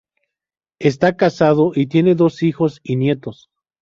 Está casado, y tiene dos hijos y nietos.